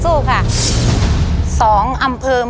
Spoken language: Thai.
ตัวเลือกที่๒อำเภอเมืองค่ะ